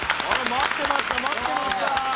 待ってました待ってました！